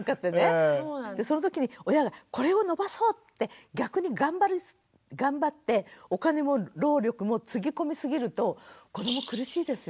その時に親がこれを伸ばそうって逆に頑張ってお金も労力もつぎ込みすぎると子ども苦しいですよね。